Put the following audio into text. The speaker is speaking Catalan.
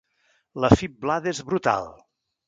La fiblada és brutal.